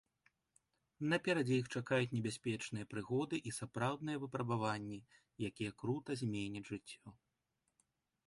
Наперадзе іх чакаюць небяспечныя прыгоды і сапраўдныя выпрабаванні, якія крута зменяць жыццё.